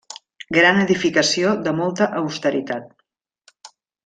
Gran edificació de molta austeritat.